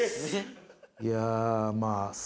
いやまあ。